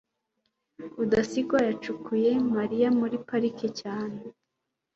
rudasingwa yacukuye mariya muri parike cyane